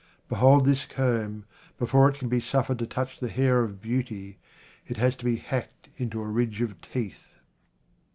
Behold this comb : before it can be suffered to touch the hair of beauty, it has to be hacked into a ridge of teeth.